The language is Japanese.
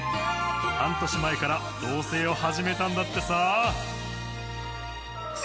半年前から同棲を始めたんだってさ。